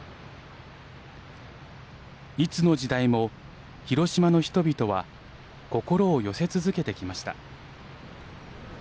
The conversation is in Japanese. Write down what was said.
いつの時代も広島の人々は心を寄せ続けてきました。